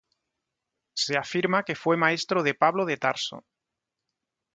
Se afirma que fue maestro de Pablo de Tarso.